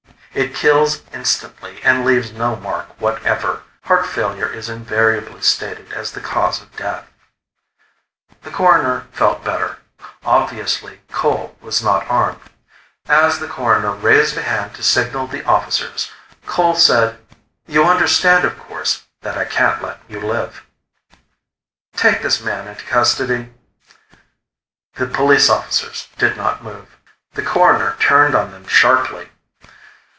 It kills instantly and leaves no mark whatever. Heart failure is invariably stated as the cause of death." The Coroner felt better. Obviously, Cole was not armed. As the Coroner raised a hand to signal the officers, Cole said, "You understand, of course, that I can't let you live." "Take this man into custody." The police officers did not move. The Coroner turned on them sharply.